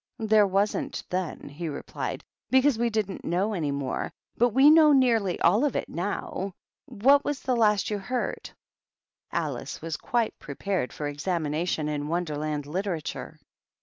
" There wasn't then," he replied, " because we didn't know any more. But we know nearly all of it now. What was the last you heard ?" Alice was quite prepared for examination in Wonderland literature.